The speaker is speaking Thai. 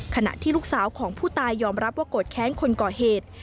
ขณะที่ลูกสาวของผู้ตายยอมรับว่าโกรธแค้นคนก่อเหตุ